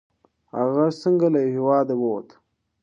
هغه څنګه له هیواده ووت؟